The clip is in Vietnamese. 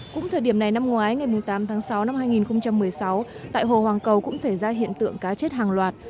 cũng thời điểm này năm ngoái ngày tám tháng sáu năm hai nghìn một mươi sáu tại hồ hoàng cầu cũng xảy ra hiện tượng cá chết hàng loạt